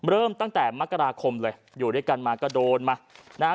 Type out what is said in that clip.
เริ่มตั้งแต่มกราคมเลยอยู่ด้วยกันมาก็โดนมานะฮะ